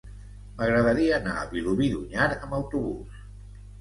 M'agradaria anar a Vilobí d'Onyar amb autobús.